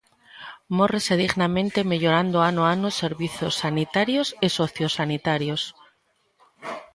Mórrese dignamente e mellorando ano a ano os servizos sanitarios e sociosanitarios.